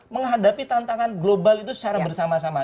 menghadapi tantangan global itu secara bersama sama